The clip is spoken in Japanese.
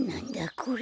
これ。